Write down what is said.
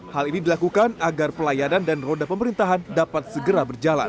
hal ini dilakukan agar pelayanan dan roda pemerintahan dapat segera berjalan